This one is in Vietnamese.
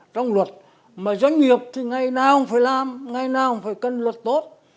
trong luật mà doanh nghiệp thì ngày nào cũng phải làm ngày nào cũng phải cân luật tốt